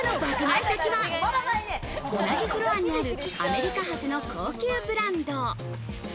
買い先は同じフロアにあるアメリカ発の高級ブランド。